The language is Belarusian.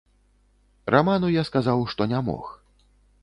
Раману я сказаў, што не мог.